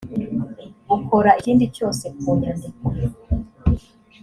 bukora ikindi cyose ku nyandiko